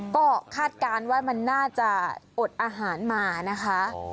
ก็คาดการณ์ว่ามันน่าจะอดอาหารมานะคะ